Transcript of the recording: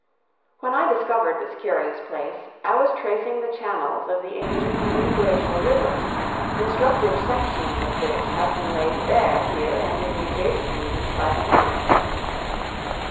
When I discovered this curious place, I was tracing the channels of the ancient pre glacial rivers, instructive sections of which have been laid bare here and in the adjacent regions by the miners.